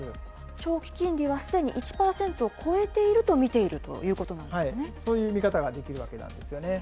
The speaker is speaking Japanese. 長期金利はすでに１％を超えていると見ているということなんそういう見方ができるわけなんですよね。